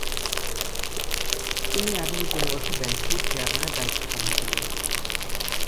তিনি আগামী তিন বছর ব্যাংকটির চেয়ারম্যানের দায়িত্ব পালন করবেন।